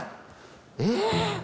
えっ！？